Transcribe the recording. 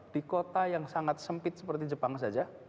di kota yang sangat sempit seperti jepang saja